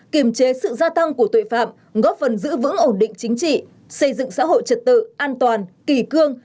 kiềm chế sự gia tăng của tội phạm góp phần giữ vững ổn định chính trị xây dựng xã hội trật tự an toàn kỳ cương